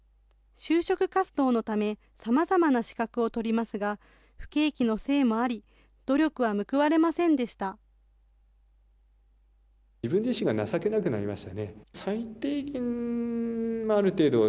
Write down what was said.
就職活動のため、さまざまな資格を取りますが、不景気のせいもあり、努力は報われませんでした。